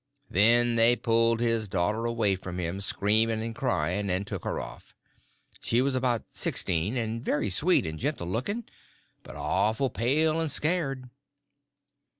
Then they pulled his daughter away from him, screaming and crying, and took her off. She was about sixteen, and very sweet and gentle looking, but awful pale and scared.